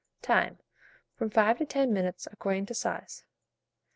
Time. From 5 to 10 minutes, according to size.